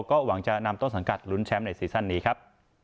ก็หวังจะนำต้นสังกัดลุ้นแชมป์ในซีซั่นนี้ครับ